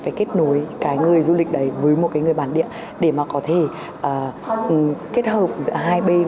phải kết nối cái người du lịch đấy với một cái người bản địa để mà có thể kết hợp giữa hai bên